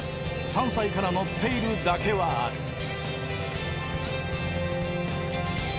３歳から乗っているだけはある。